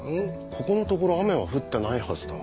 ここんところ雨は降ってないはずだ。